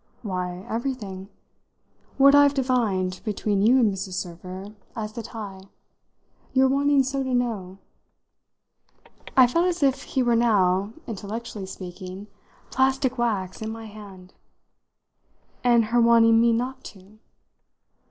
"Why, everything. What I've divined, between you and Mrs. Server, as the tie. Your wanting so to know." I felt as if he were now, intellectually speaking, plastic wax in my hand. "And her wanting me not to?"